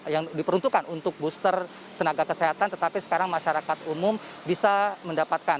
yang diperuntukkan untuk booster tenaga kesehatan tetapi sekarang masyarakat umum bisa mendapatkan